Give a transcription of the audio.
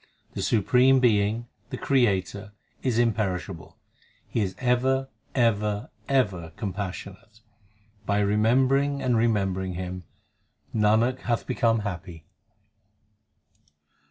The Supreme Being, the Creator, is imperishable ; He is ever, ever, ever compassionate : By remembering and remembering Him, Nanak hath become happy.